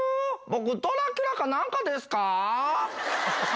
僕、ドラキュラかなんかですか。